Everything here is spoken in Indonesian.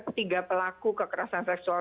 ketiga pelaku kekerasan seksual